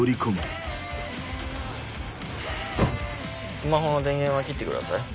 スマホの電源は切ってください。